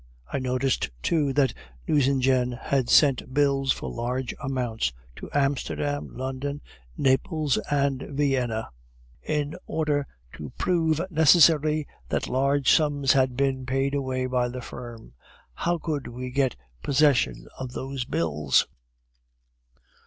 I noticed, too, that Nucingen had sent bills for large amounts to Amsterdam, London, Naples, and Vienna, in order to prove if necessary that large sums had been paid away by the firm. How could we get possession of those bills?"